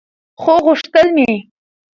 خو غوښتل مې